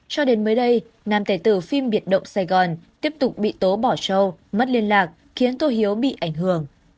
cho đến mới đây nam tài tử phim biệt động sài gòn tiếp tục bị tố bỏ trâu mất liên lạc khiến tô hiếu bị ảnh hưởng